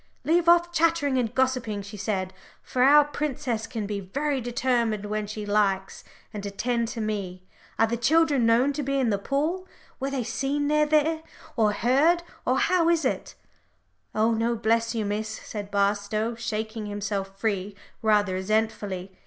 "Leave off chattering and gossiping," she said, for our princess can be very determined when she likes, "and attend to me. Are the children known to be in the pool? Were they seen near there? or heard? or how is it?" "Oh no, bless you, Miss," said Barstow, shaking himself free rather resentfully.